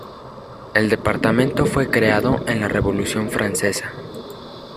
El departamento fue creado en la Revolución Francesa.